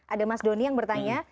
ada mas doni yang bertanya